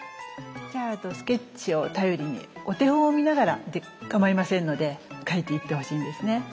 じゃああとスケッチを頼りにお手本を見ながらでかまいませんので描いていってほしいんですね。